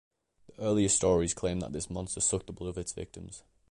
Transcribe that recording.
The earliest stories claim that this monster sucked the blood of its victims.